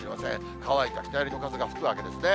乾いた北寄りの風が吹くわけですね。